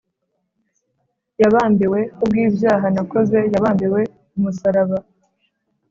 Yabambiwe kubw' ibyaha nakoze, Yabambiwe ku musaraba.